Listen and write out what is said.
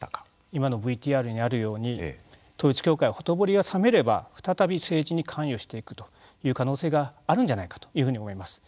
今のＶＴＲにあるように統一教会は、ほとぼりが冷めれば再び政治に関与していくという可能性があるんじゃないかと思います。